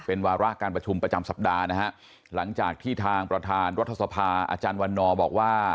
เป็นวาระการประชุมประจำสัปดาห์นะฮะหลังจากที่ทางประธานรัฐสภาอาจารย์วันนอบอกว่า